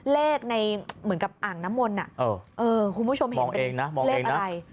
เลขในเหมือนกับอ่างน้ำมนต์คุณผู้ชมเห็นเป็นเลขอะไร